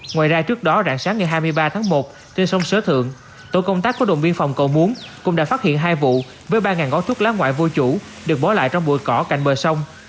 ngoài ra trước đó rạng sáng ngày hai mươi ba tháng một trên sông sở thượng tổ công tác của đồn biên phòng cầu muốn cũng đã phát hiện hai vụ với ba gói thuốc lá ngoại vô chủ được bỏ lại trong bụi cỏ cành bờ sông